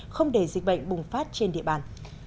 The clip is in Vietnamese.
không để dịch bệnh bùng phát trên địa bàn